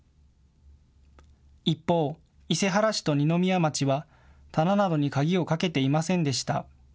一方、伊勢原市と二宮町は棚などに鍵をかけていませんでした。